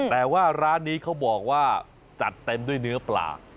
แต่ว่าร้านนี้เขาบอกว่าจัดเต็มด้วยเนื้อปลา